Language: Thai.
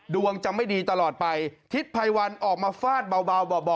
ดวงจะไม่ดีตลอดไปทิศไพวันออกมาฟาดเบา